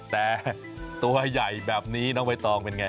แต่ตัวใหญ่แบบนี้น้องไวะตองเป็นอย่างไร